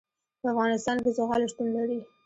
په افغانستان کې زغال شتون لري.